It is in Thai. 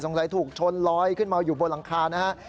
สงสัยถูกชนลอยขึ้นมาอยู่บนหลังคานะครับ